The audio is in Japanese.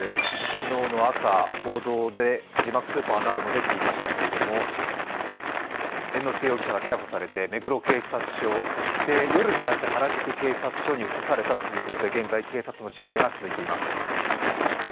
昨日の朝、報道で字幕スーパーでも出ていましたけれども猿之助容疑者が逮捕されて目黒警察署そして夜になって原宿警察署に移されたということで現在、警察の調べが続いています。